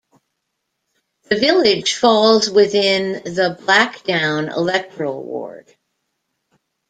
The village falls within the 'Blackdown' electoral ward.